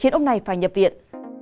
lúc này phải nhập viện